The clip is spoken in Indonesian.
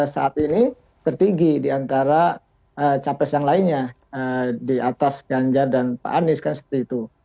saat ini tertinggi diantara capres yang lainnya di atas ganjar dan pak anies kan seperti itu